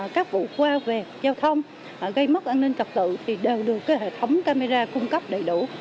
các vụ qua về giao thông gây mất an ninh trật tự thì đều được hệ thống camera cung cấp đầy đủ